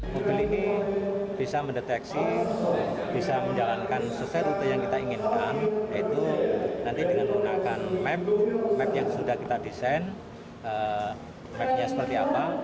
mobil ini bisa mendeteksi bisa menjalankan sesuai rute yang kita inginkan yaitu nanti dengan menggunakan map map yang sudah kita desain mapnya seperti apa